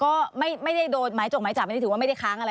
ก็ไม่ได้โดนหมายจกหมายจับอันนี้ถือว่าไม่ได้ค้างอะไร